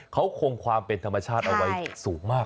เขาคงความเป็นธรรมชาติเอาไว้สูงมาก